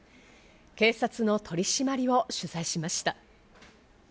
警察の取り締まりを取材しました。